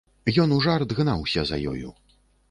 Ён у жарт гнаўся за ёю.